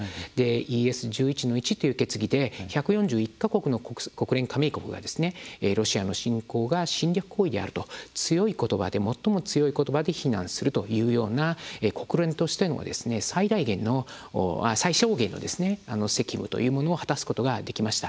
ＥＳ‐１１／１という決議で１４１か国の国連加盟国がロシアの侵攻が侵略行為であると最も強い言葉で非難するという国連としての最小限の責務というものを果たすことができました。